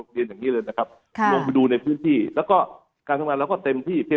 เรียนอย่างนี้เลยนะครับลงไปดูในพื้นที่แล้วก็การทำงานเราก็เต็มที่